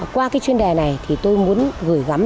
qua cái chuyên đề này thì tôi muốn gửi gắm